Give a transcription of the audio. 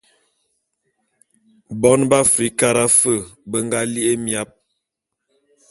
Bone be Afrikara fe be nga li'i émiap.